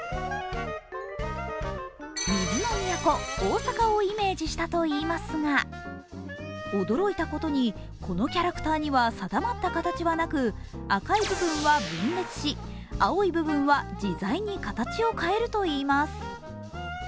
水の都・大阪をイメージしたといいますが驚いたことにこのキャラクターには定まった形はなく赤い部分は分裂し、青い部分は自在に形を変えるといいます。